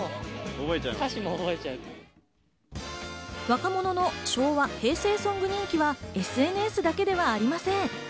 若者の昭和・平成ソング人気はＳＮＳだけではありません。